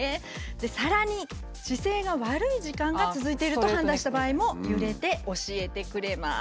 でさらに「姿勢が悪い時間が続いている」と判断した場合も揺れて教えてくれます。